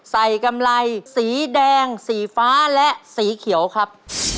กำไรสีแดงสีฟ้าและสีเขียวครับ